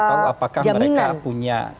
saya gak tahu apakah mereka punya